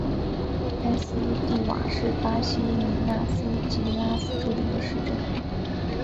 埃斯蒂瓦是巴西米纳斯吉拉斯州的一个市镇。